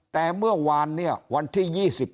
แต่เมื่อวานเนี่ยวันที่๒๘